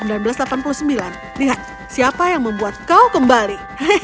lihat siapa yang membuat kau kembali